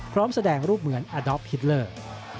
พร้อมแสดงรูปเหมือนอดอปฮิตเลอร์